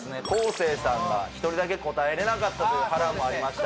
生さんが１人だけ答えれなかったという波乱もありました